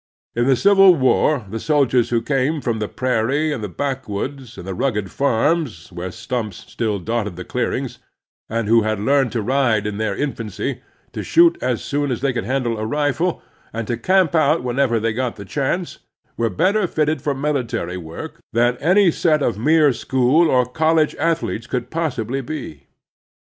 In the Civil War the soldiers who came from the prairie and the backwoods and the rugged farms where sttmips still dotted the clearings, and who had learned to ride in their infancy, to shoot as soon as they could handle a rifle, and to camp out whenever they got the chance, were better fitted for military work than any set of mere school or college athletes could possibly be.